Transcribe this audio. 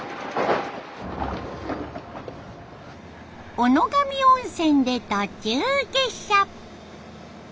小野上温泉で途中下車。